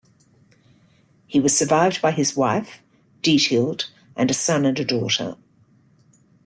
He was survived by his wife, Diethild, and a son and a daughter.